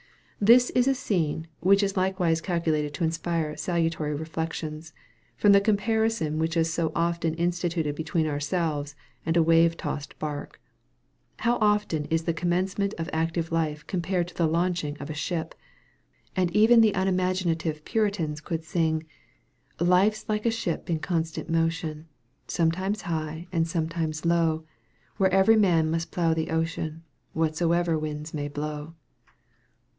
This is a scene which is likewise calculated to inspire salutary reflections, from the comparison which is often instituted between ourselves and a wave tossed bark. How often is the commencement of active life compared to the launching of a ship; and even the unimaginative Puritans could sing, "Life's like a ship in constant motion, Sometimes high and sometimes low, Where every man must plough the ocean, Whatsoever winds may blow."